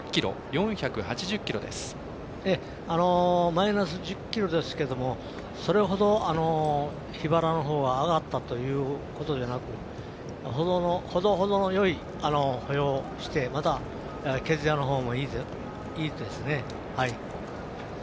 マイナス１０ｋｇですけどそれほど上がったということはなくほどほどのよい歩様をしてまた、毛づやのほうもいいですね。